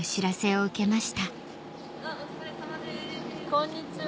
こんにちは。